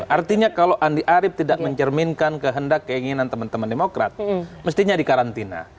artinya kalau andi arief tidak mencerminkan kehendak keinginan teman teman demokrat mestinya di karantina